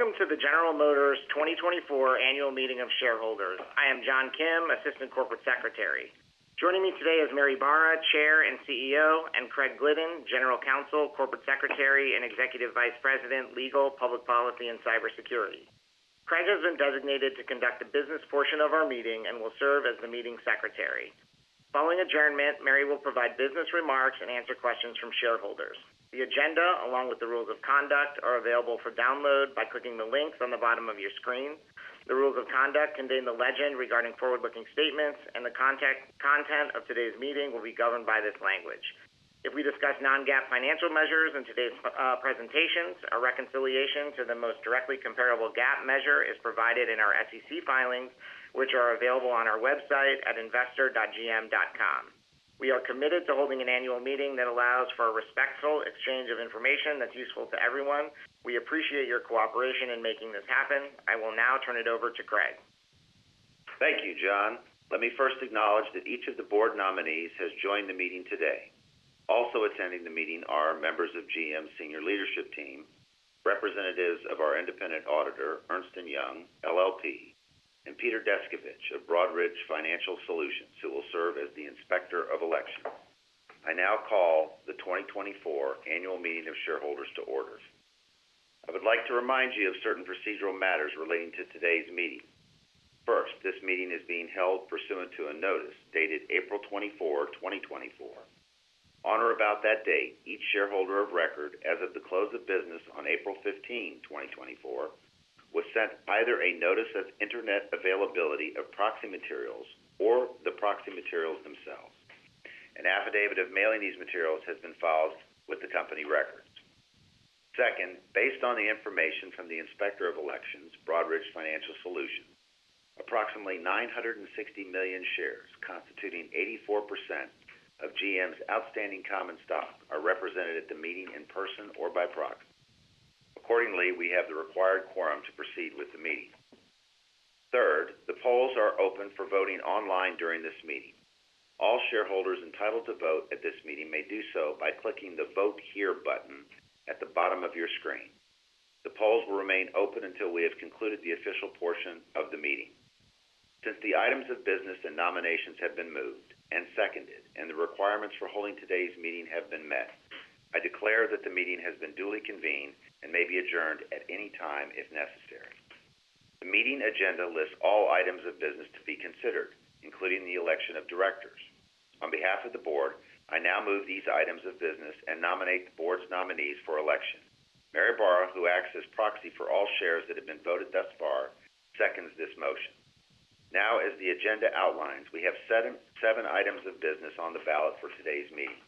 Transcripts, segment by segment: Welcome to the General Motors 2024 Annual Meeting of Shareholders. I am John Kim, Assistant Corporate Secretary. Joining me today is Mary Barra, Chair and CEO, and Craig Glidden, General Counsel, Corporate Secretary, and Executive Vice President, Legal, Public Policy, and Cybersecurity. Craig has been designated to conduct the business portion of our meeting and will serve as the meeting secretary. Following adjournment, Mary will provide business remarks and answer questions from shareholders. The agenda, along with the rules of conduct, are available for download by clicking the links on the bottom of your screen. The rules of conduct contain the legend regarding forward-looking statements, and the content of today's meeting will be governed by this language. If we discuss non-GAAP financial measures in today's presentations, a reconciliation to the most directly comparable GAAP measure is provided in our SEC filings, which are available on our website at investor.gm.com. We are committed to holding an annual meeting that allows for a respectful exchange of information that's useful to everyone. We appreciate your cooperation in making this happen. I will now turn it over to Craig. Thank you, John. Let me first acknowledge that each of the board nominees has joined the meeting today. Also attending the meeting are members of GM's Senior Leadership Team, representatives of our independent auditor, Ernst & Young LLP, and Peter Descovich of Broadridge Financial Solutions, who will serve as the Inspector of Election. I now call the 2024 Annual Meeting of Shareholders to order. I would like to remind you of certain procedural matters relating to today's meeting. First, this meeting is being held pursuant to a notice dated April 24, 2024. On or about that date, each shareholder of record, as of the close of business on April 15, 2024, was sent either a notice of internet availability of proxy materials or the proxy materials themselves. An affidavit of mailing these materials has been filed with the company records. Second, based on the information from the Inspector of Elections, Broadridge Financial Solutions, approximately 960 million shares, constituting 84% of GM's outstanding common stock, are represented at the meeting in person or by proxy. Accordingly, we have the required quorum to proceed with the meeting. Third, the polls are open for voting online during this meeting. All shareholders entitled to vote at this meeting may do so by clicking the Vote Here button at the bottom of your screen. The polls will remain open until we have concluded the official portion of the meeting. Since the items of business and nominations have been moved and seconded, and the requirements for holding today's meeting have been met, I declare that the meeting has been duly convened and may be adjourned at any time if necessary. The meeting agenda lists all items of business to be considered, including the election of directors. On behalf of the board, I now move these items of business and nominate the board's nominees for election. Mary Barra, who acts as proxy for all shares that have been voted thus far, seconds this motion. Now, as the agenda outlines, we have seven, seven items of business on the ballot for today's meeting.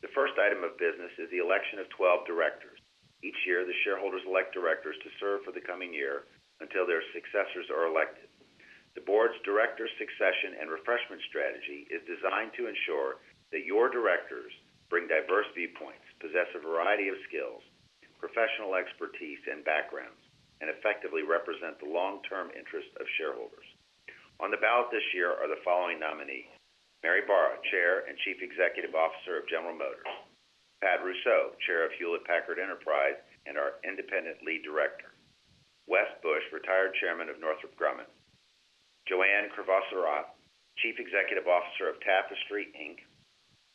The first item of business is the election of 12 directors. Each year, the shareholders elect directors to serve for the coming year until their successors are elected. The board's director succession and refreshment strategy is designed to ensure that your directors bring diverse viewpoints, possess a variety of skills, professional expertise, and backgrounds, and effectively represent the long-term interest of shareholders. On the ballot this year are the following nominees: Mary Barra, Chair and Chief Executive Officer of General Motors; Patricia Russo, Chair of Hewlett Packard Enterprise and our independent lead director; Wesley Bush, Retired Chairman of Northrop Grumman; Joanne Crevoiserat, Chief Executive Officer of Tapestry, Inc.;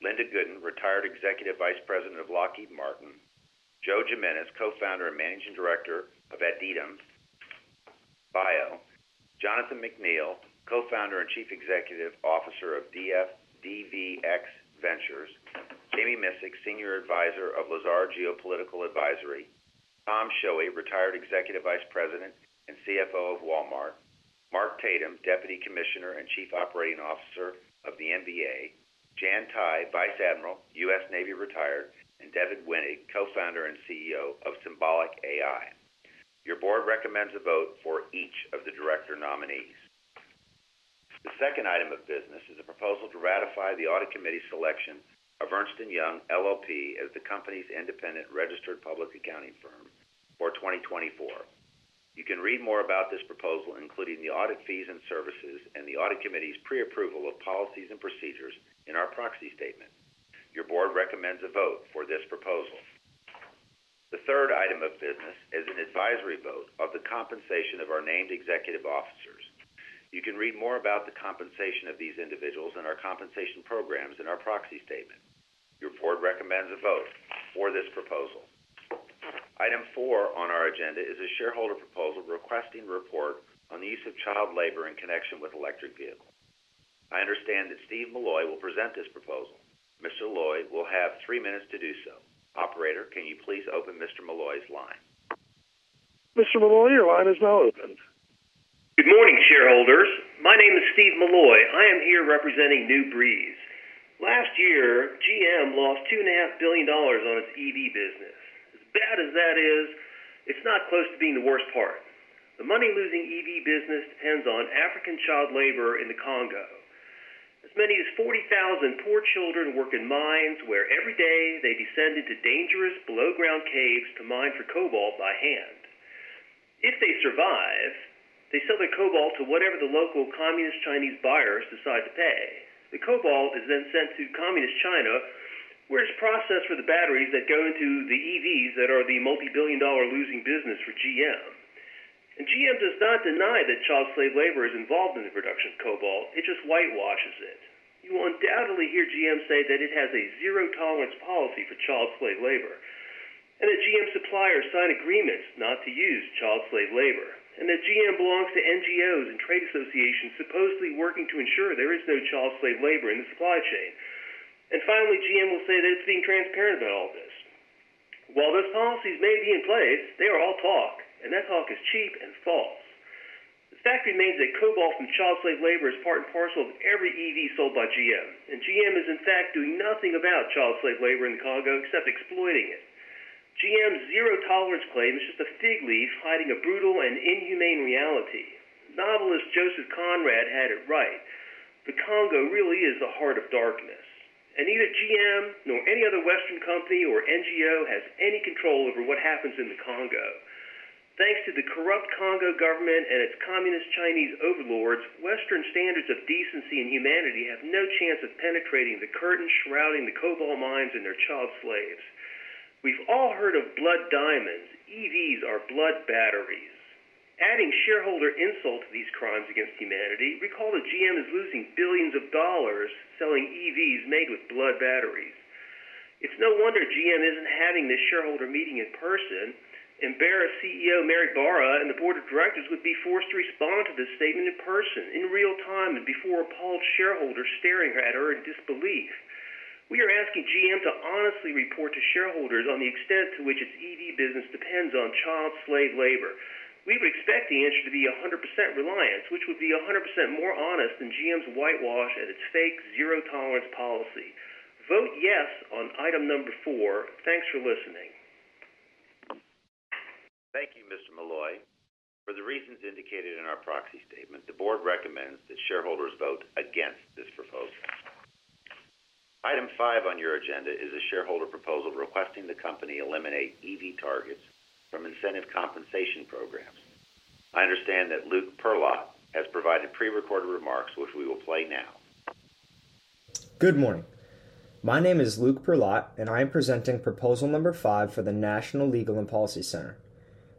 Linda Gooden, Retired Executive Vice President of Lockheed Martin; Joseph Jimenez, Co-Founder and Managing Director of Aditum Bio; Jonathan McNeill, Co-Founder and Chief Executive Officer of DVx Ventures; Jami Miscik, Senior Advisor of Lazard Geopolitical Advisory; Thomas Schoewe, Retired Executive Vice President and CFO of Walmart; Mark Tatum, Deputy Commissioner and Chief Operating Officer of the NBA; Jan Tighe, Vice Admiral, U.S. Navy Retired, and Devin Wenig, Co-Founder and CEO of Symbolic.ai. Your board recommends a vote for each of the director nominees. The second item of business is a proposal to ratify the Audit Committee's selection of Ernst & Young LLP as the company's independent registered public accounting firm for 2024. You can read more about this proposal, including the audit fees and services and the Audit Committee's pre-approval of policies and procedures in our proxy statement. Your board recommends a vote for this proposal. The third item of business is an advisory vote of the compensation of our named executive officers. You can read more about the compensation of these individuals and our compensation programs in our proxy statement. Your board recommends a vote for this proposal. Item four on our agenda is a shareholder proposal requesting report on the use of child labor in connection with electric vehicles. I understand that Steve Milloy will present this proposal. Mr. Milloy will have three minutes to do so. Operator, can you please open Mr. Milloy's line? Mr. Milloy, your line is now open. Good morning, shareholders. My name is Steve Milloy. I am here representing New Breeze. Last year, GM lost $2.5 billion on its EV business. As bad as that is, it's not close to being the worst part. The money-losing EV business depends on African child labor in the Congo. As many as 40,000 poor children work in mines, where every day they descend into dangerous below-ground caves to mine for cobalt by hand. If they survive, they sell the cobalt to whatever the local communist Chinese buyers decide to pay. The cobalt is then sent to communist China, where it's processed for the batteries that go into the EVs that are the multi-billion dollar losing business for GM. And GM does not deny that child slave labor is involved in the production of cobalt. It just whitewashes it. You will undoubtedly hear GM say that it has a zero-tolerance policy for child slave labor, and that GM suppliers sign agreements not to use child slave labor, and that GM belongs to NGOs and trade associations supposedly working to ensure there is no child slave labor in the supply chain. Finally, GM will say that it's being transparent about all this. While those policies may be in place, they are all talk, and that talk is cheap and false. The fact remains that cobalt from child slave labor is part and parcel of every EV sold by GM, and GM is in fact doing nothing about child slave labor in the Congo except exploiting it. GM's zero tolerance claim is just a fig leaf hiding a brutal and inhumane reality. Novelist Joseph Conrad had it right. The Congo really is the heart of darkness, and neither GM nor any other Western company or NGO has any control over what happens in the Congo. Thanks to the corrupt Congo government and its communist Chinese overlords, Western standards of decency and humanity have no chance of penetrating the curtain shrouding the cobalt mines and their child slaves. We've all heard of blood diamonds. EVs are blood batteries. Adding shareholder insult to these crimes against humanity, recall that GM is losing billions of dollars selling EVs made with blood batteries. It's no wonder GM isn't having this shareholder meeting in person. Embarrassed CEO Mary Barra and the board of directors would be forced to respond to this statement in person, in real time, and before appalled shareholders staring at her in disbelief. We are asking GM to honestly report to shareholders on the extent to which its EV business depends on child slave labor. We would expect the answer to be 100% reliance, which would be 100% more honest than GM's whitewash and its fake zero-tolerance policy. Vote yes on item number four. Thanks for listening. Thank you, Mr. Milloy. For the reasons indicated in our proxy statement, the board recommends that shareholders vote against this proposal. Item five on your agenda is a shareholder proposal requesting the company eliminate EV targets from incentive compensation programs. I understand that Luke Perlot has provided pre-recorded remarks, which we will play now. Good morning. My name is Luke Perlot, and I am presenting proposal number five for the National Legal and Policy Center.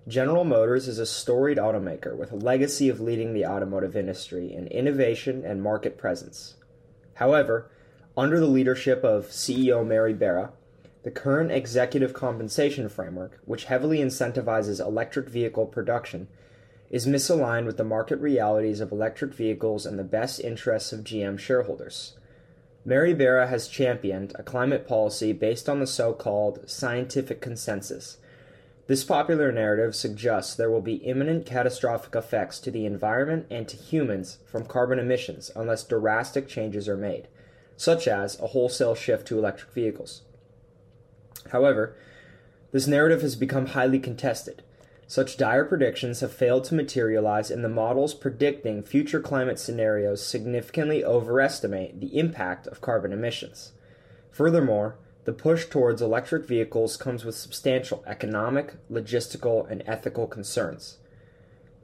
General Motors is a storied automaker with a legacy of leading the automotive industry in innovation and market presence. However, under the leadership of CEO Mary Barra, the current executive compensation framework, which heavily incentivizes electric vehicle production, is misaligned with the market realities of electric vehicles and the best interests of GM shareholders. Mary Barra has championed a climate policy based on the so-called scientific consensus. This popular narrative suggests there will be imminent catastrophic effects to the environment and to humans from carbon emissions unless drastic changes are made, such as a wholesale shift to electric vehicles. However, this narrative has become highly contested. Such dire predictions have failed to materialize, and the models predicting future climate scenarios significantly overestimate the impact of carbon emissions. Furthermore, the push towards electric vehicles comes with substantial economic, logistical, and ethical concerns.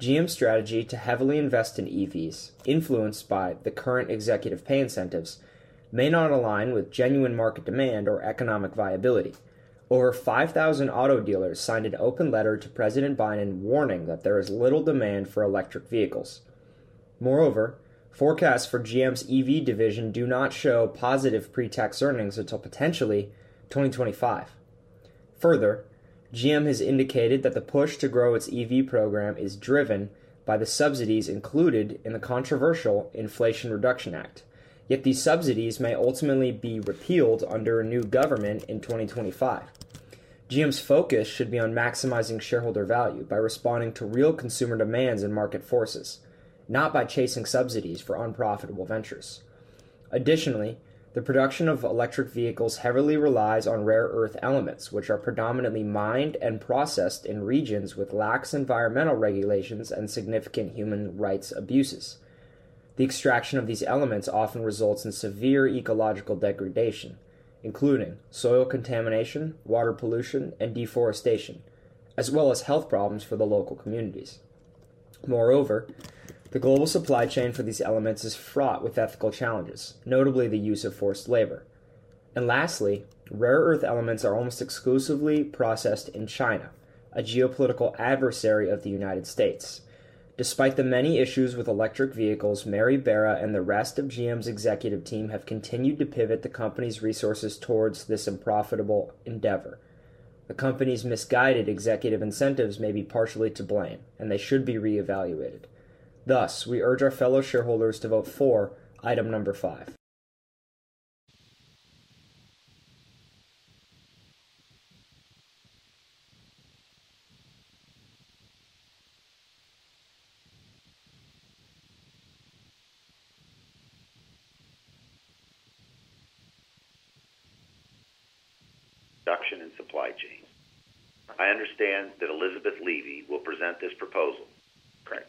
GM's strategy to heavily invest in EVs, influenced by the current executive pay incentives, may not align with genuine market demand or economic viability. Over 5,000 auto dealers signed an open letter to President Biden, warning that there is little demand for electric vehicles. Moreover, forecasts for GM's EV division do not show positive pre-tax earnings until potentially 2025. Further, GM has indicated that the push to grow its EV program is driven by the subsidies included in the controversial Inflation Reduction Act, yet these subsidies may ultimately be repealed under a new government in 2025. GM's focus should be on maximizing shareholder value by responding to real consumer demands and market forces, not by chasing subsidies for unprofitable ventures. Additionally, the production of electric vehicles heavily relies on rare earth elements, which are predominantly mined and processed in regions with lax environmental regulations and significant human rights abuses. The extraction of these elements often results in severe ecological degradation, including soil contamination, water pollution, and deforestation, as well as health problems for the local communities. Moreover, the global supply chain for these elements is fraught with ethical challenges, notably the use of forced labor. And lastly, rare earth elements are almost exclusively processed in China, a geopolitical adversary of the United States. Despite the many issues with electric vehicles, Mary Barra and the rest of GM's executive team have continued to pivot the company's resources towards this unprofitable endeavor. The company's misguided executive incentives may be partially to blame, and they should be reevaluated. Thus, we urge our fellow shareholders to vote for item number five. Production and supply chain. I understand that Elizabeth Levy will present this proposal. Great....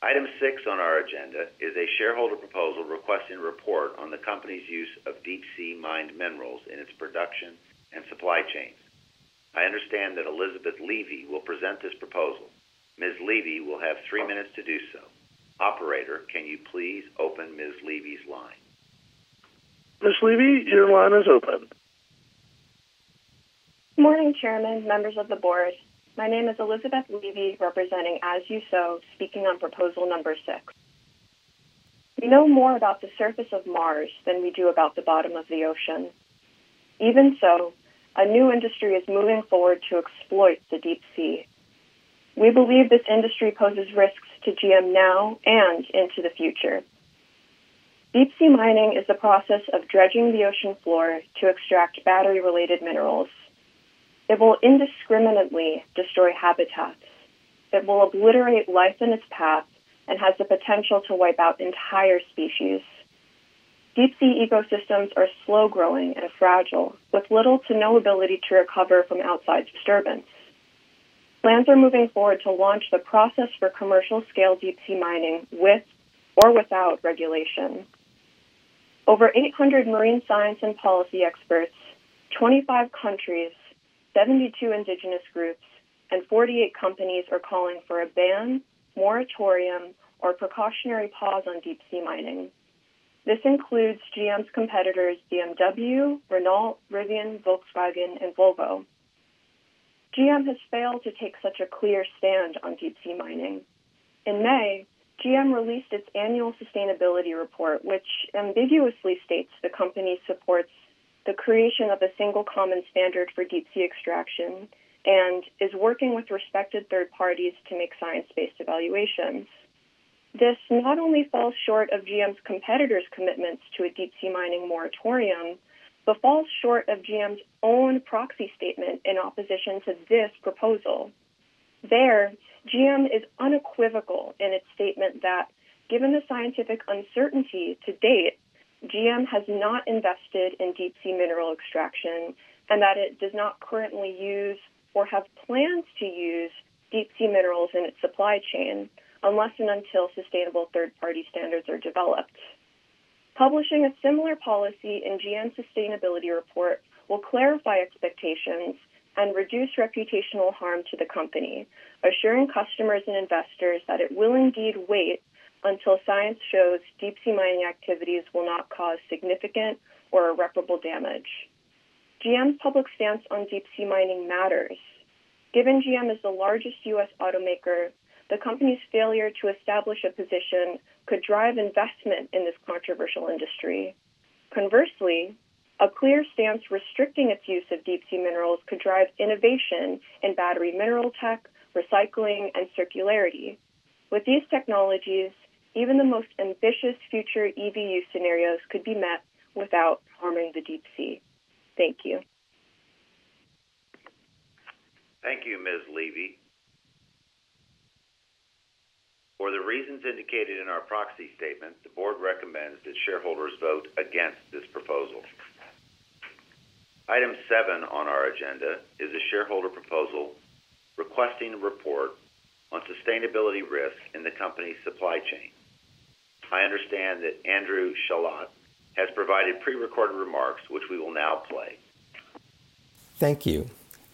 Item six on our agenda is a shareholder proposal requesting a report on the company's use of deep-sea mined minerals in its production and supply chains. I understand that Elizabeth Levy will present this proposal. Ms. Levy will have three minutes to do so. Operator, can you please open Ms. Levy's line? Ms. Levy, your line is open. Good morning, Chairman, members of the board. My name is Elizabeth Levy, representing As You Sow, speaking on proposal number six. We know more about the surface of Mars than we do about the bottom of the ocean. Even so, a new industry is moving forward to exploit the deep sea. We believe this industry poses risks to GM now and into the future. Deep-sea mining is the process of dredging the ocean floor to extract battery-related minerals. It will indiscriminately destroy habitats. It will obliterate life in its path and has the potential to wipe out entire species. Deep-sea ecosystems are slow-growing and fragile, with little to no ability to recover from outside disturbance. Plans are moving forward to launch the process for commercial-scale deep-sea mining, with or without regulation. Over 800 marine science and policy experts, 25 countries, 72 indigenous groups, and 48 companies are calling for a ban, moratorium, or precautionary pause on deep-sea mining. This includes GM's competitors, BMW, Renault, Rivian, Volkswagen, and Volvo. GM has failed to take such a clear stand on deep-sea mining. In May, GM released its annual sustainability report, which ambiguously states the company supports the creation of a single common standard for deep-sea extraction and is working with respected third parties to make science-based evaluations. This not only falls short of GM's competitors' commitments to a deep-sea mining moratorium, but falls short of GM's own proxy statement in opposition to this proposal. There, GM is unequivocal in its statement that given the scientific uncertainty to date, GM has not invested in deep-sea mineral extraction, and that it does not currently use or have plans to use deep-sea minerals in its supply chain, unless and until sustainable third-party standards are developed. Publishing a similar policy in GM's sustainability report will clarify expectations and reduce reputational harm to the company, assuring customers and investors that it will indeed wait until science shows deep-sea mining activities will not cause significant or irreparable damage. GM's public stance on deep-sea mining matters. Given GM is the largest U.S. automaker, the company's failure to establish a position could drive investment in this controversial industry. Conversely, a clear stance restricting its use of deep-sea minerals could drive innovation in battery mineral tech, recycling, and circularity. With these technologies, even the most ambitious future EV use scenarios could be met without harming the deep sea. Thank you. Thank you, Ms. Levy. For the reasons indicated in our proxy statement, the board recommends that shareholders vote against this proposal. Item seven on our agenda is a shareholder proposal requesting a report on sustainability risks in the company's supply chain. I understand that Andrew Shalit has provided pre-recorded remarks, which we will now play. Thank you.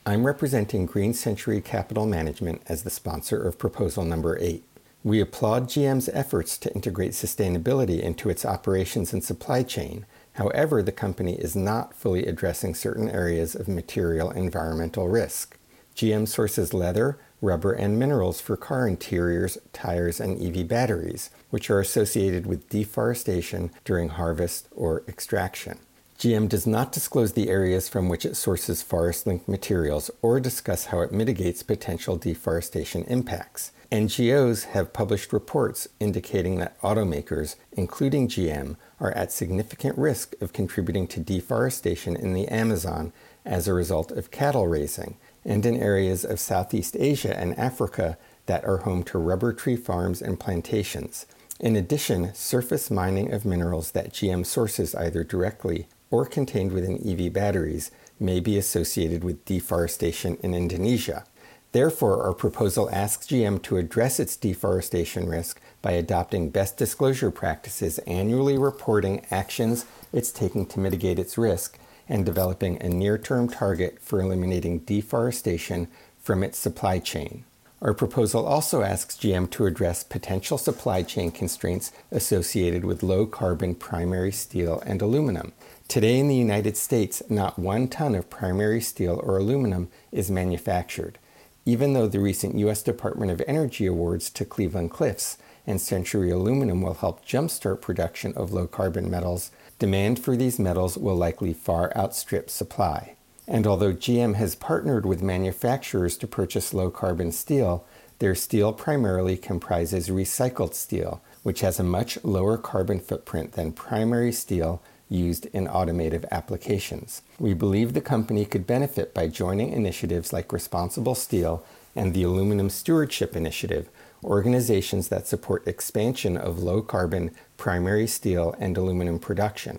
I'm representing Green Century Capital Management as the sponsor of proposal number eight. We applaud GM's efforts to integrate sustainability into its operations and supply chain. However, the company is not fully addressing certain areas of material environmental risk. GM sources leather, rubber, and minerals for car interiors, tires, and EV batteries, which are associated with deforestation during harvest or extraction. GM does not disclose the areas from which it sources forest-linked materials or discuss how it mitigates potential deforestation impacts. NGOs have published reports indicating that automakers, including GM, are at significant risk of contributing to deforestation in the Amazon as a result of cattle raising, and in areas of Southeast Asia and Africa that are home to rubber tree farms and plantations. In addition, surface mining of minerals that GM sources, either directly or contained within EV batteries, may be associated with deforestation in Indonesia. Therefore, our proposal asks GM to address its deforestation risk by adopting best disclosure practices, annually reporting actions it's taking to mitigate its risk, and developing a near-term target for eliminating deforestation from its supply chain. Our proposal also asks GM to address potential supply chain constraints associated with low-carbon primary steel and aluminum. Today in the United States, not one ton of primary steel or aluminum is manufactured. Even though the recent U.S. Department of Energy awards to Cleveland-Cliffs and Century Aluminum will help jumpstart production of low-carbon metals, demand for these metals will likely far outstrip supply. And although GM has partnered with manufacturers to purchase low-carbon steel, their steel primarily comprises recycled steel, which has a much lower carbon footprint than primary steel used in automotive applications. We believe the company could benefit by joining initiatives like Responsible Steel and the Aluminum Stewardship Initiative, organizations that support expansion of low-carbon primary steel and aluminum production.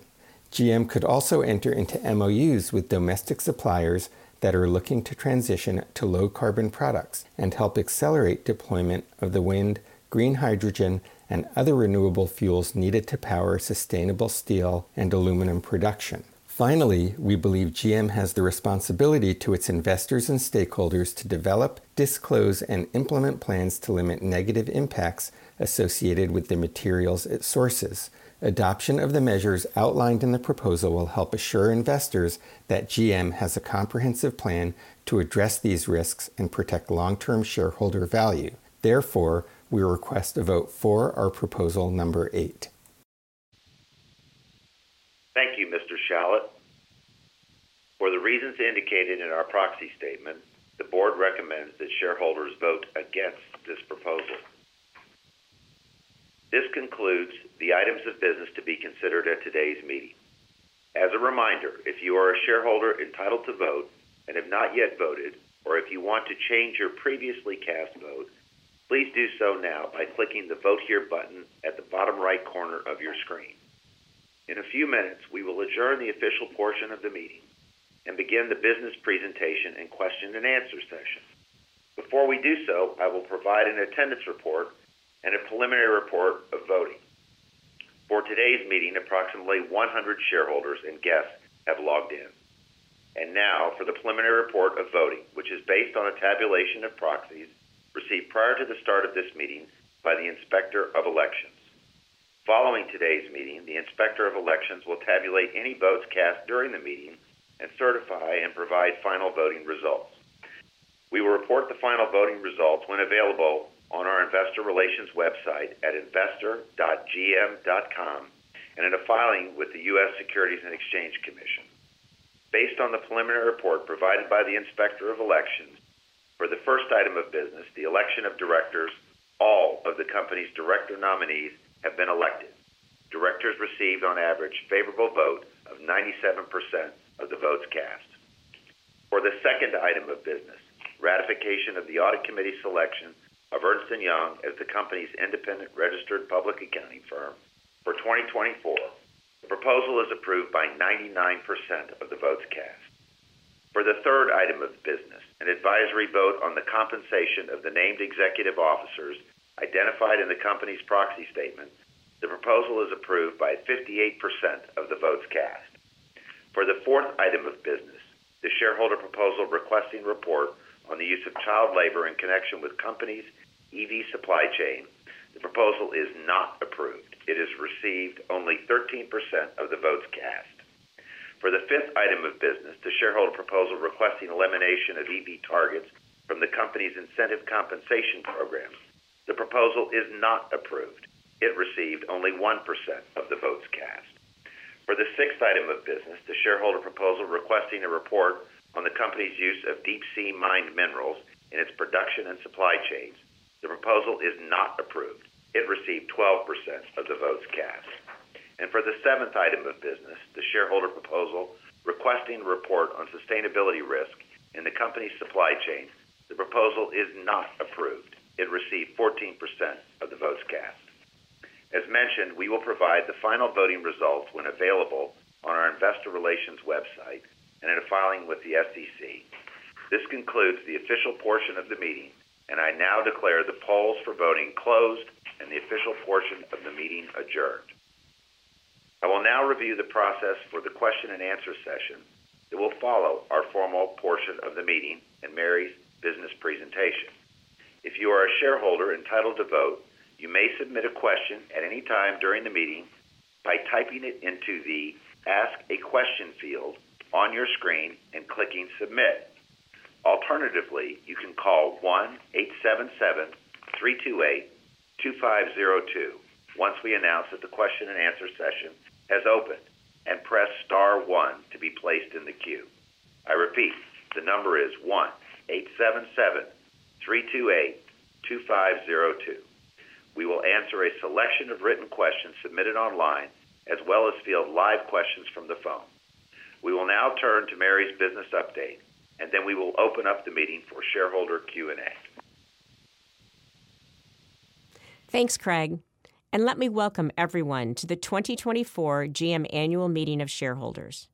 GM could also enter into MOUs with domestic suppliers that are looking to transition to low carbon products and help accelerate deployment of the wind, green hydrogen, and other renewable fuels needed to power sustainable steel and aluminum production. Finally, we believe GM has the responsibility to its investors and stakeholders to develop, disclose, and implement plans to limit negative impacts associated with the materials it sources. Adoption of the measures outlined in the proposal will help assure investors that GM has a comprehensive plan to address these risks and protect long-term shareholder value. Therefore, we request a vote for our proposal number eight. Thank you, Mr. Shalit. For the reasons indicated in our proxy statement, the board recommends that shareholders vote against this proposal. This concludes the items of business to be considered at today's meeting. As a reminder, if you are a shareholder entitled to vote and have not yet voted, or if you want to change your previously cast vote, please do so now by clicking the Vote Here button at the bottom right corner of your screen. In a few minutes, we will adjourn the official portion of the meeting and begin the business presentation and question and answer session. Before we do so, I will provide an attendance report and a preliminary report of voting. For today's meeting, approximately 100 shareholders and guests have logged in. And now for the preliminary report of voting, which is based on a tabulation of proxies received prior to the start of this meeting by the Inspector of Elections. Following today's meeting, the Inspector of Elections will tabulate any votes cast during the meeting and certify and provide final voting results. We will report the final voting results when available on our investor relations website at investor.gm.com and in a filing with the U.S. Securities and Exchange Commission. Based on the preliminary report provided by the Inspector of Elections, for the first item of business, the election of directors, all of the company's director nominees have been elected. Directors received on average, favorable vote of 97% of the votes cast. For the second item of business, ratification of the Audit Committee selection of Ernst & Young as the company's independent registered public accounting firm for 2024, the proposal is approved by 99% of the votes cast. For the third item of business, an advisory vote on the compensation of the named executive officers identified in the company's proxy statement, the proposal is approved by 58% of the votes cast. For the fourth item of business, the shareholder proposal requesting report on the use of child labor in connection with company's EV supply chain, the proposal is not approved. It has received only 13% of the votes cast. For the fifth item of business, the shareholder proposal requesting elimination of EV targets from the company's incentive compensation programs, the proposal is not approved. It received only 1% of the votes cast. For the sixth item of business, the shareholder proposal requesting a report on the company's use of deep-sea mined minerals in its production and supply chains, the proposal is not approved. It received 12% of the votes cast. For the seventh item of business, the shareholder proposal requesting a report on sustainability risk in the company's supply chain, the proposal is not approved. It received 14% of the votes cast. As mentioned, we will provide the final voting results when available on our investor relations website and in a filing with the SEC. This concludes the official portion of the meeting, and I now declare the polls for voting closed and the official portion of the meeting adjourned. I will now review the process for the question and answer session that will follow our formal portion of the meeting and Mary's business presentation. If you are a shareholder entitled to vote, you may submit a question at any time during the meeting by typing it into the Ask a Question field on your screen and clicking Submit. Alternatively, you can call 1-877-328-2502, once we announce that the question and answer session has opened, and press star one to be placed in the queue. I repeat, the number is 1-877-328-2502. We will answer a selection of written questions submitted online, as well as field live questions from the phone. We will now turn to Mary's business update, and then we will open up the meeting for shareholder Q&A. Thanks, Craig, and let me welcome everyone to the 2024 GM Annual Meeting of Shareholders.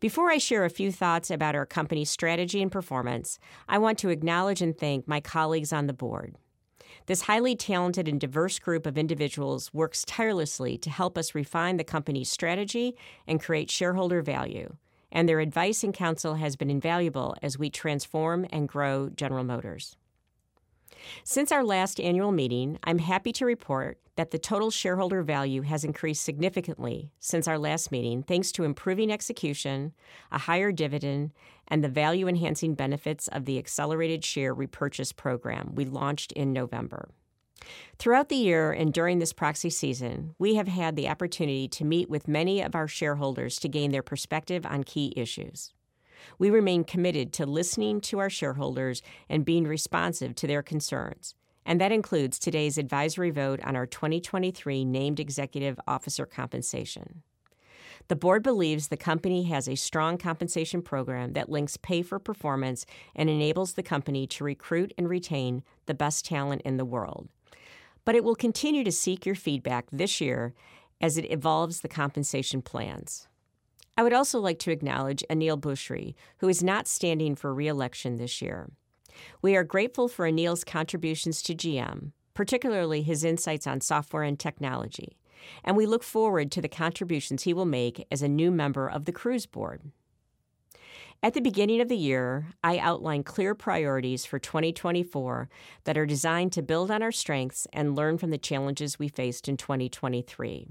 Before I share a few thoughts about our company's strategy and performance, I want to acknowledge and thank my colleagues on the board. This highly talented and diverse group of individuals works tirelessly to help us refine the company's strategy and create shareholder value, and their advice and counsel has been invaluable as we transform and grow General Motors. Since our last annual meeting, I'm happy to report that the total shareholder value has increased significantly since our last meeting, thanks to improving execution, a higher dividend, and the value-enhancing benefits of the accelerated share repurchase program we launched in November. Throughout the year and during this proxy season, we have had the opportunity to meet with many of our shareholders to gain their perspective on key issues. We remain committed to listening to our shareholders and being responsive to their concerns, and that includes today's advisory vote on our 2023 named executive officer compensation. The board believes the company has a strong compensation program that links pay for performance and enables the company to recruit and retain the best talent in the world. It will continue to seek your feedback this year as it evolves the compensation plans. I would also like to acknowledge Aneel Bhusri, who is not standing for re-election this year. We are grateful for Aneel's contributions to GM, particularly his insights on software and technology, and we look forward to the contributions he will make as a new member of the Cruise board. At the beginning of the year, I outlined clear priorities for 2024 that are designed to build on our strengths and learn from the challenges we faced in 2023.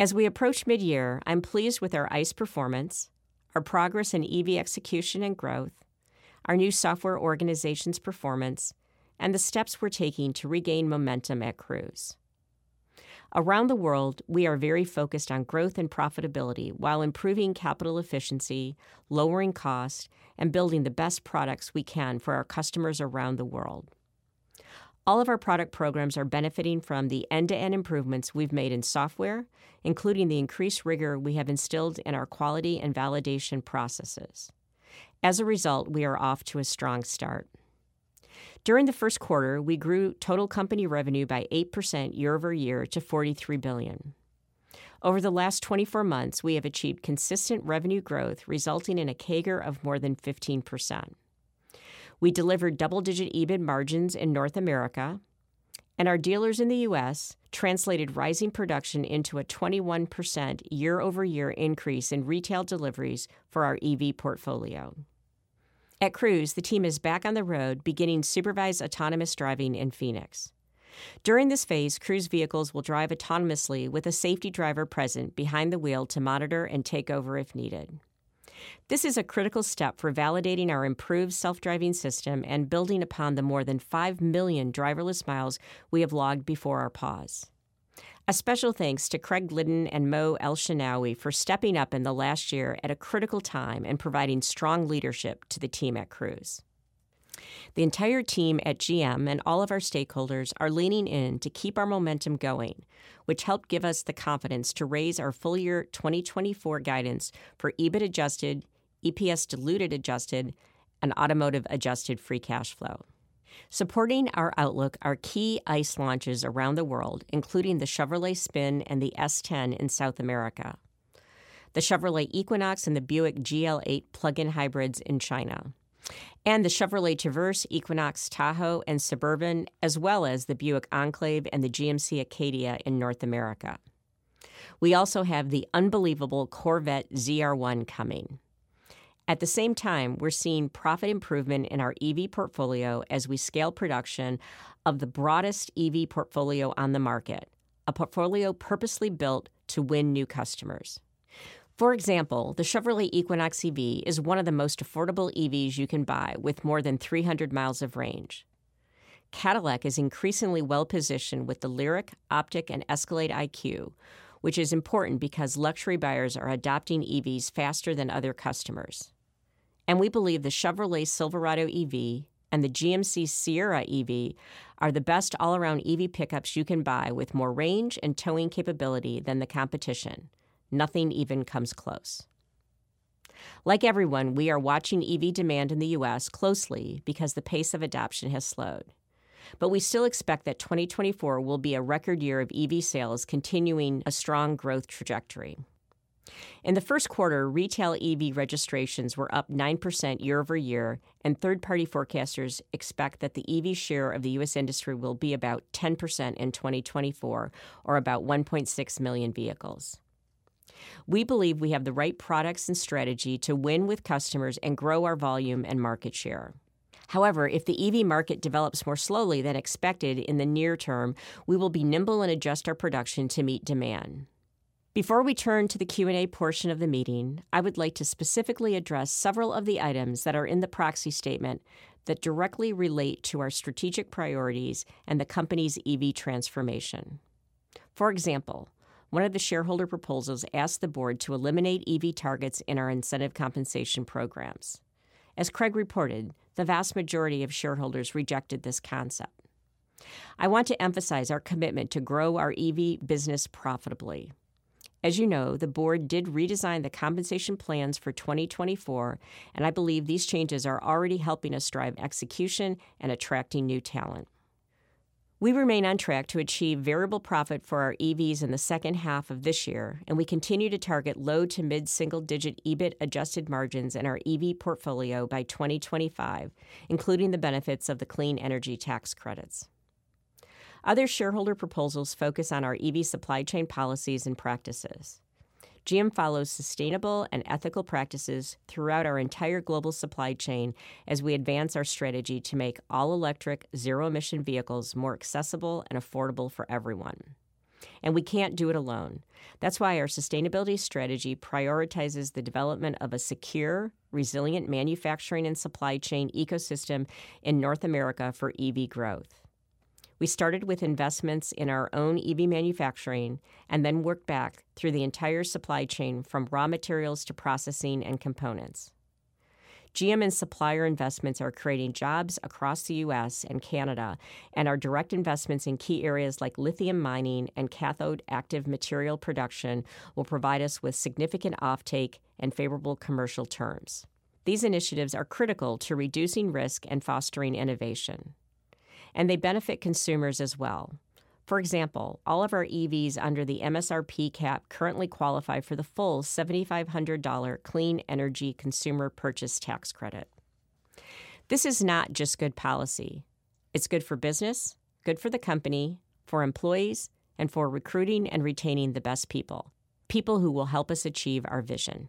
As we approach midyear, I'm pleased with our ICE performance, our progress in EV execution and growth, our new software organization's performance, and the steps we're taking to regain momentum at Cruise. Around the world, we are very focused on growth and profitability while improving capital efficiency, lowering cost, and building the best products we can for our customers around the world. All of our product programs are benefiting from the end-to-end improvements we've made in software, including the increased rigor we have instilled in our quality and validation processes. As a result, we are off to a strong start. During the first quarter, we grew total company revenue by 8% year-over-year to $43 billion. Over the last 24 months, we have achieved consistent revenue growth, resulting in a CAGR of more than 15%. We delivered double-digit EBIT margins in North America, and our dealers in the US translated rising production into a 21% year-over-year increase in retail deliveries for our EV portfolio. At Cruise, the team is back on the road, beginning supervised autonomous driving in Phoenix. During this phase, Cruise vehicles will drive autonomously with a safety driver present behind the wheel to monitor and take over if needed. This is a critical step for validating our improved self-driving system and building upon the more than 5 million driverless miles we have logged before our pause. A special thanks to Craig Glidden and Mo Elshenawy for stepping up in the last year at a critical time and providing strong leadership to the team at Cruise. The entire team at GM and all of our stakeholders are leaning in to keep our momentum going, which helped give us the confidence to raise our full year 2024 guidance for EBIT adjusted, EPS diluted adjusted, and automotive adjusted free cash flow. Supporting our outlook are key ICE launches around the world, including the Chevrolet Spin and the S10 in South America, the Chevrolet Equinox and the Buick GL8 plug-in hybrids in China, and the Chevrolet Traverse, Equinox, Tahoe, and Suburban, as well as the Buick Enclave and the GMC Acadia in North America. We also have the unbelievable Corvette ZR1 coming. At the same time, we're seeing profit improvement in our EV portfolio as we scale production of the broadest EV portfolio on the market, a portfolio purposely built to win new customers. For example, the Chevrolet Equinox EV is one of the most affordable EVs you can buy with more than 300 miles of range. Cadillac is increasingly well-positioned with the LYRIQ, OPTIQ, and ESCALADE IQ, which is important because luxury buyers are adopting EVs faster than other customers. We believe the Chevrolet Silverado EV and the GMC Sierra EV are the best all-around EV pickups you can buy with more range and towing capability than the competition. Nothing even comes close. Like everyone, we are watching EV demand in the U.S. closely because the pace of adoption has slowed, but we still expect that 2024 will be a record year of EV sales, continuing a strong growth trajectory. In the first quarter, retail EV registrations were up 9% year-over-year, and third-party forecasters expect that the EV share of the U.S. industry will be about 10% in 2024, or about 1.6 million vehicles. We believe we have the right products and strategy to win with customers and grow our volume and market share. However, if the EV market develops more slowly than expected in the near term, we will be nimble and adjust our production to meet demand. Before we turn to the Q&A portion of the meeting, I would like to specifically address several of the items that are in the proxy statement that directly relate to our strategic priorities and the company's EV transformation. For example, one of the shareholder proposals asked the board to eliminate EV targets in our incentive compensation programs. As Craig reported, the vast majority of shareholders rejected this concept. I want to emphasize our commitment to grow our EV business profitably. As you know, the board did redesign the compensation plans for 2024, and I believe these changes are already helping us drive execution and attracting new talent. We remain on track to achieve variable profit for our EVs in the second half of this year, and we continue to target low to mid-single digit EBIT adjusted margins in our EV portfolio by 2025, including the benefits of the clean energy tax credits. Other shareholder proposals focus on our EV supply chain policies and practices. GM follows sustainable and ethical practices throughout our entire global supply chain as we advance our strategy to make all-electric, zero-emission vehicles more accessible and affordable for everyone, and we can't do it alone. That's why our sustainability strategy prioritizes the development of a secure, resilient manufacturing and supply chain ecosystem in North America for EV growth. We started with investments in our own EV manufacturing and then worked back through the entire supply chain, from raw materials to processing and components. GM and supplier investments are creating jobs across the U.S. and Canada, and our direct investments in key areas like lithium mining and cathode active material production will provide us with significant offtake and favorable commercial terms. These initiatives are critical to reducing risk and fostering innovation... and they benefit consumers as well. For example, all of our EVs under the MSRP cap currently qualify for the full $7,500 Clean Energy Consumer Purchase Tax Credit. This is not just good policy. It's good for business, good for the company, for employees, and for recruiting and retaining the best people, people who will help us achieve our vision.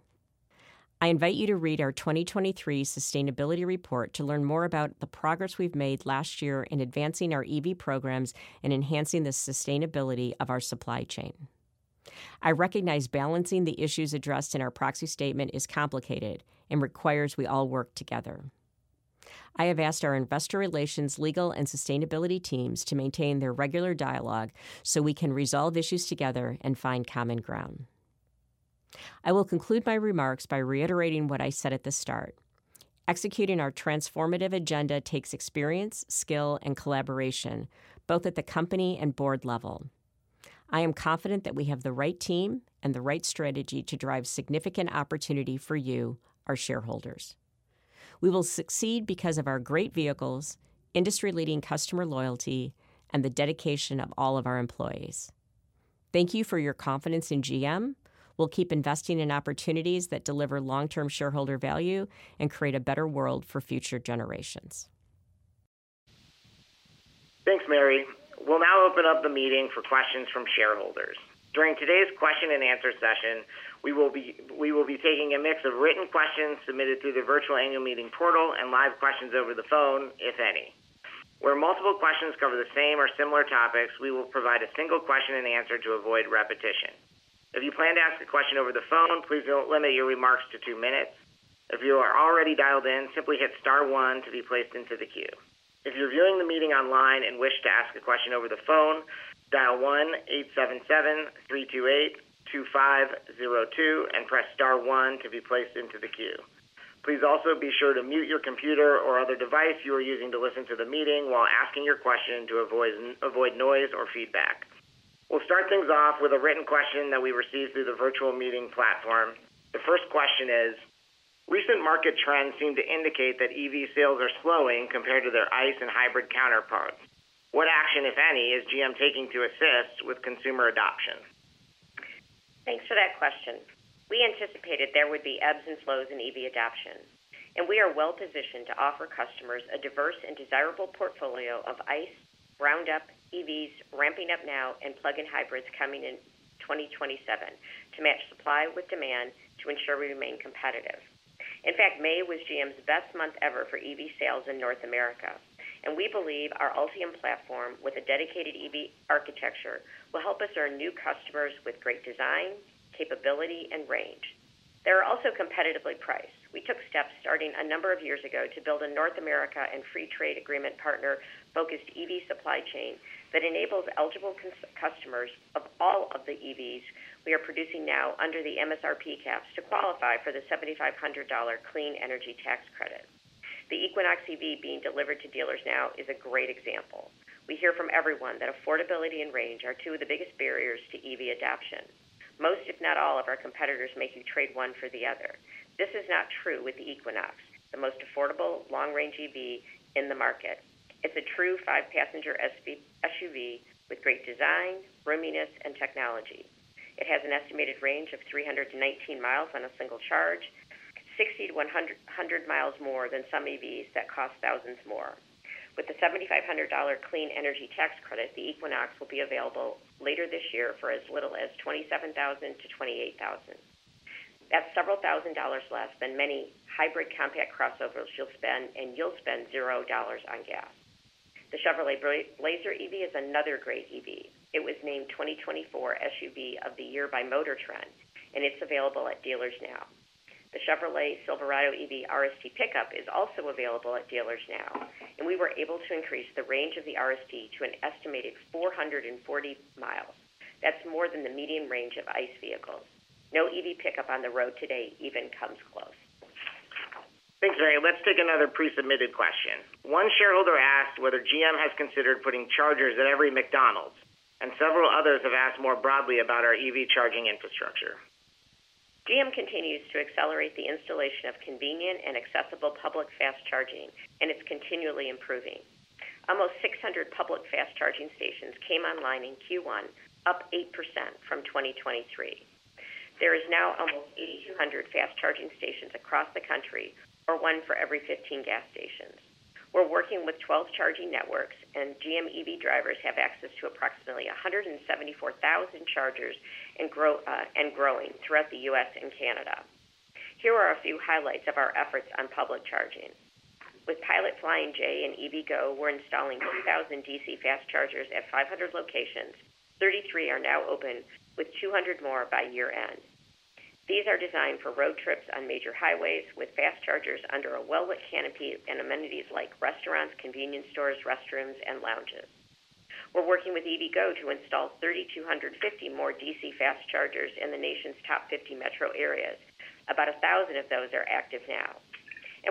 I invite you to read our 2023 sustainability report to learn more about the progress we've made last year in advancing our EV programs and enhancing the sustainability of our supply chain. I recognize balancing the issues addressed in our proxy statement is complicated and requires we all work together. I have asked our investor relations, legal, and sustainability teams to maintain their regular dialogue so we can resolve issues together and find common ground. I will conclude my remarks by reiterating what I said at the start. Executing our transformative agenda takes experience, skill, and collaboration, both at the company and board level. I am confident that we have the right team and the right strategy to drive significant opportunity for you, our shareholders. We will succeed because of our great vehicles, industry-leading customer loyalty, and the dedication of all of our employees. Thank you for your confidence in GM. We'll keep investing in opportunities that deliver long-term shareholder value and create a better world for future generations. Thanks, Mary. We'll now open up the meeting for questions from shareholders. During today's question and answer session, we will be taking a mix of written questions submitted through the virtual annual meeting portal and live questions over the phone, if any. Where multiple questions cover the same or similar topics, we will provide a single question and answer to avoid repetition. If you plan to ask a question over the phone, please limit your remarks to two minutes. If you are already dialed in, simply hit star one to be placed into the queue. If you're viewing the meeting online and wish to ask a question over the phone, dial 1-877-328-2502 and press star one to be placed into the queue. Please also be sure to mute your computer or other device you are using to listen to the meeting while asking your question to avoid noise or feedback. We'll start things off with a written question that we received through the virtual meeting platform. The first question is: Recent market trends seem to indicate that EV sales are slowing compared to their ICE and hybrid counterparts. What action, if any, is GM taking to assist with consumer adoption? Thanks for that question. We anticipated there would be ebbs and flows in EV adoption, and we are well-positioned to offer customers a diverse and desirable portfolio of ICE, ground-up EVs ramping up now and plug-in hybrids coming in 2027 to match supply with demand to ensure we remain competitive. In fact, May was GM's best month ever for EV sales in North America, and we believe our Ultium platform, with a dedicated EV architecture, will help us earn new customers with great design, capability, and range. They are also competitively priced. We took steps starting a number of years ago to build a North America and Free Trade Agreement partner-focused EV supply chain that enables eligible customers of all of the EVs we are producing now under the MSRP caps to qualify for the $7,500 Clean Energy Tax Credit. The Equinox EV being delivered to dealers now is a great example. We hear from everyone that affordability and range are two of the biggest barriers to EV adoption. Most, if not all, of our competitors make you trade one for the other. This is not true with the Equinox, the most affordable long-range EV in the market. It's a true five-passenger SUV with great design, roominess, and technology. It has an estimated range of 319 miles on a single charge, 60 to 100 miles more than some EVs that cost thousands more. With the $7,500 Clean Energy Tax Credit, the Equinox will be available later this year for as little as $27,000-$28,000. That's several thousand dollars less than many hybrid compact crossovers you'll spend, and you'll spend $0 on gas. The Chevrolet Blazer EV is another great EV. It was named 2024 SUV of the Year by MotorTrend, and it's available at dealers now. The Chevrolet Silverado EV RST pickup is also available at dealers now, and we were able to increase the range of the RST to an estimated 440 miles. That's more than the median range of ICE vehicles. No EV pickup on the road today even comes close. Thanks, Mary. Let's take another pre-submitted question. One shareholder asked whether GM has considered putting chargers at every McDonald's, and several others have asked more broadly about our EV charging infrastructure. GM continues to accelerate the installation of convenient and accessible public fast charging, and it's continually improving. Almost 600 public fast charging stations came online in Q1, up 8% from 2023. There is now almost 8,200 fast charging stations across the country, or one for every 15 gas stations. We're working with 12 charging networks, and GM EV drivers have access to approximately 174,000 chargers and growing throughout the U.S. and Canada. Here are a few highlights of our efforts on public charging. With Pilot Flying J and EVgo, we're installing 1,000 DC fast chargers at 500 locations. 33 are now open, with 200 more by year-end. These are designed for road trips on major highways, with fast chargers under a well-lit canopy and amenities like restaurants, convenience stores, restrooms, and lounges. We're working with EVgo to install 3,250 more DC fast chargers in the nation's top 50 metro areas. About 1,000 of those are active now.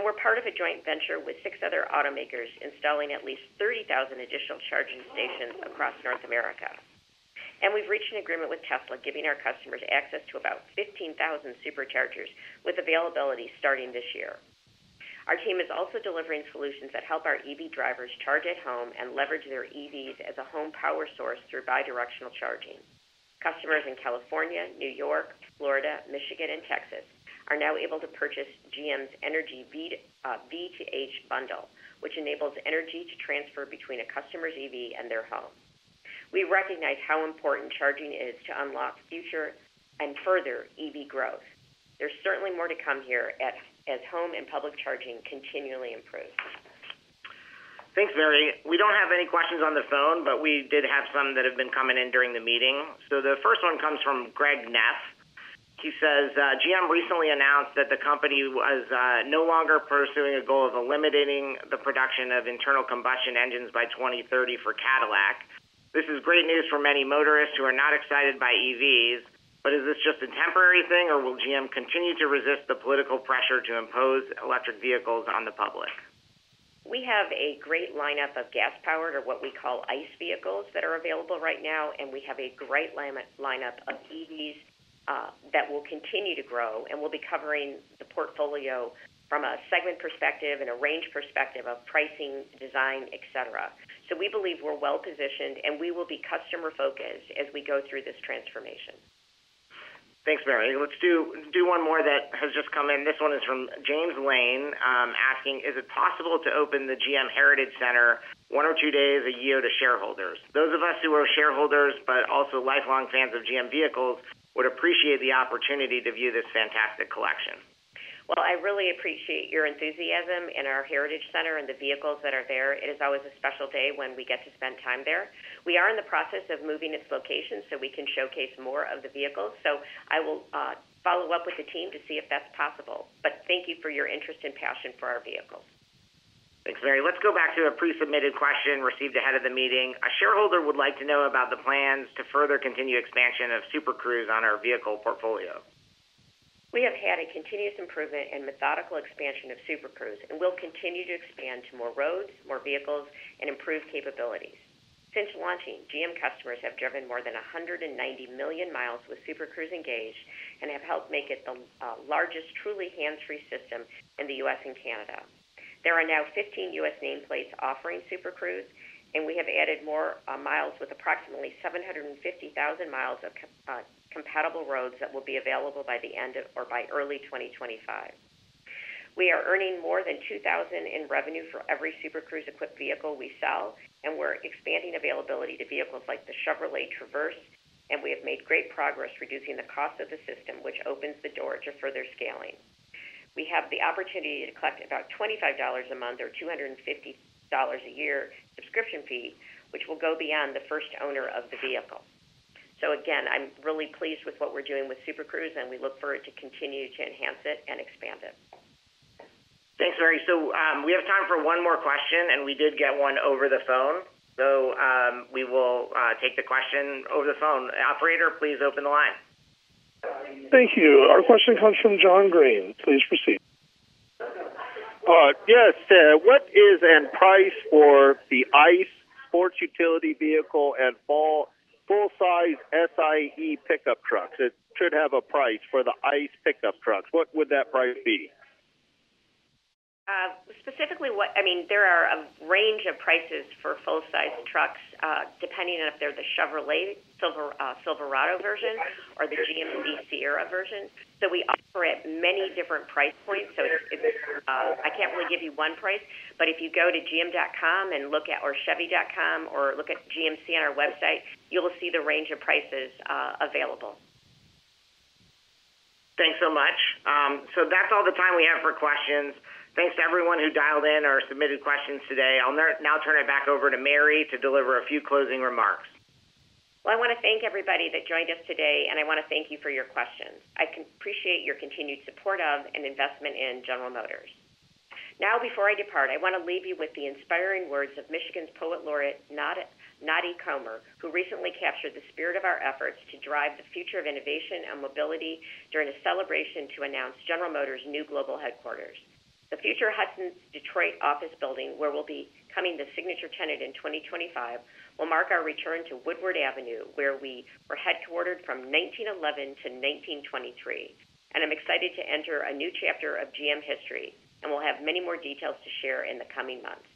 We're part of a joint venture with six other automakers, installing at least 30,000 additional charging stations across North America. We've reached an agreement with Tesla, giving our customers access to about 15,000 Superchargers, with availability starting this year. Our team is also delivering solutions that help our EV drivers charge at home and leverage their EVs as a home power source through bidirectional charging. Customers in California, New York, Florida, Michigan, and Texas are now able to purchase GM Energy V2H bundle, which enables energy to transfer between a customer's EV and their home. We recognize how important charging is to unlock future and further EV growth. There's certainly more to come here, as home and public charging continually improve. Thanks, Mary. We don't have any questions on the phone, but we did have some that have been coming in during the meeting. So the first one comes from Greg Neff. He says, "GM recently announced that the company was no longer pursuing a goal of eliminating the production of internal combustion engines by 2030 for Cadillac. This is great news for many motorists who are not excited by EVs, but is this just a temporary thing, or will GM continue to resist the political pressure to impose electric vehicles on the public? We have a great lineup of gas-powered, or what we call ICE vehicles, that are available right now, and we have a great lineup of EVs, that will continue to grow, and we'll be covering the portfolio from a segment perspective and a range perspective of pricing, design, et cetera. So we believe we're well-positioned, and we will be customer-focused as we go through this transformation. Thanks, Mary. Let's do one more that has just come in. This one is from James Lane, asking, "Is it possible to open the GM Heritage Center one or two days a year to shareholders? Those of us who are shareholders, but also lifelong fans of GM vehicles, would appreciate the opportunity to view this fantastic collection. Well, I really appreciate your enthusiasm in our Heritage Center and the vehicles that are there. It is always a special day when we get to spend time there. We are in the process of moving its location so we can showcase more of the vehicles. So I will follow up with the team to see if that's possible. But thank you for your interest and passion for our vehicles. Thanks, Mary. Let's go back to a pre-submitted question received ahead of the meeting. A shareholder would like to know about the plans to further continue expansion of Super Cruise on our vehicle portfolio. We have had a continuous improvement and methodical expansion of Super Cruise, and we'll continue to expand to more roads, more vehicles, and improve capabilities. Since launching, GM customers have driven more than 190 million miles with Super Cruise engaged and have helped make it the largest, truly hands-free system in the U.S. and Canada. There are now 15 U.S. nameplates offering Super Cruise, and we have added more miles with approximately 750,000 miles of compatible roads that will be available by the end of or by early 2025. We are earning more than $2,000 in revenue for every Super Cruise-equipped vehicle we sell, and we're expanding availability to vehicles like the Chevrolet Traverse, and we have made great progress reducing the cost of the system, which opens the door to further scaling. We have the opportunity to collect about $25 a month or $250 a year subscription fee, which will go beyond the first owner of the vehicle. So again, I'm really pleased with what we're doing with Super Cruise, and we look forward to continue to enhance it and expand it. Thanks, Mary. So, we have time for one more question, and we did get one over the phone. So, we will take the question over the phone. Operator, please open the line. Thank you. Our question comes from John Green. Please proceed. What is the price for the ICE sports utility vehicle and all full-size Chevy pickup trucks? It should have a price for the ICE pickup trucks. What would that price be? Specifically, I mean, there are a range of prices for full-size trucks, depending on if they're the Chevrolet Silverado version or the GMC Sierra version. So we offer at many different price points, so it's, I can't really give you one price, but if you go to gm.com and look at, or chevy.com or look at GMC on our website, you will see the range of prices, available. Thanks so much. So that's all the time we have for questions. Thanks to everyone who dialed in or submitted questions today. I'll now turn it back over to Mary to deliver a few closing remarks. Well, I want to thank everybody that joined us today, and I want to thank you for your questions. I can appreciate your continued support of and investment in General Motors. Now, before I depart, I want to leave you with the inspiring words of Michigan's Poet Laureate, Nandi Comer, who recently captured the spirit of our efforts to drive the future of innovation and mobility during a celebration to announce General Motors' new global headquarters. The future Hudson's Detroit office building, where we'll be coming the signature tenant in 2025, will mark our return to Woodward Avenue, where we were headquartered from 1911 to 1923. I'm excited to enter a new chapter of GM history, and we'll have many more details to share in the coming months.